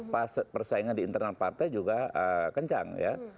persaingan di internal partai juga kencang ya